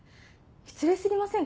失礼過ぎませんか？